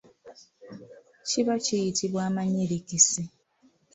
Kiba kiyitibwa amanyirikisi.